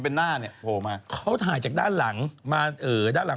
มันมืดมากเขาไม่ได้กดไปถ่ายรูปตัวเองมั้ย